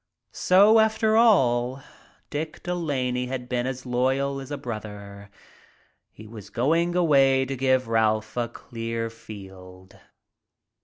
So, after all, Dick De Laney had been as loyal as a brother. He was going away to give Ralph a clear field.